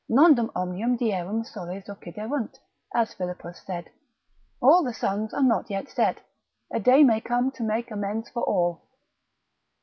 Nondum omnium dierum Soles occiderunt, as Philippus said, all the suns are not yet set, a day may come to make amends for all.